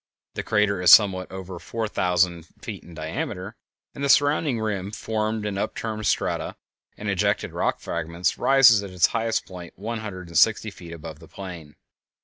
The crater is somewhat over four thousand feet in diameter, and the surrounding rim, formed of upturned strata and ejected rock fragments, rises at its highest point one hundred and sixty feet above the plain.